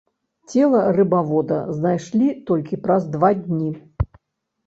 Цела рыбавода знайшлі толькі праз два дні.